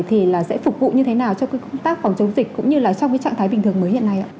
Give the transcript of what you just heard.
thì là sẽ phục vụ như thế nào cho cái công tác phòng chống dịch cũng như là trong cái trạng thái bình thường mới hiện nay ạ